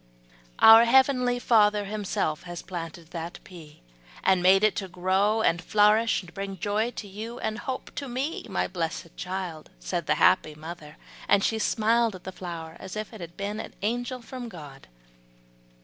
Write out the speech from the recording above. "Our heavenly Father Himself has planted that pea, and made it grow and flourish, to bring joy to you and hope to me, my blessed child," said the happy mother, and she smiled at the flower, as if it had been an angel from God.